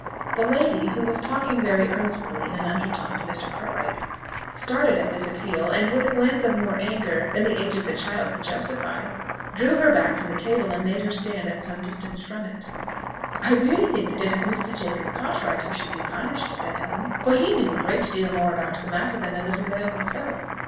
The lady, who was talking very earnestly in an under tone to Mr. Cartwright, started at this appeal, and with a glance of more anger than the age of the child could justify, drew her back from the table and made her stand at some distance from it. "I really think that it is Mr. Jacob Cartwright who should be punished," said Helen: "for he knew a great deal more about the matter than the little girl herself."